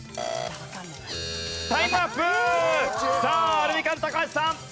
アルミカン高橋さん！